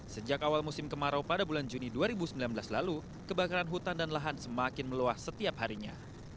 sejak awal musim kemarau pada bulan juni dua ribu sembilan belas lalu kebakaran hutan dan lahan semakin meluas setiap harinya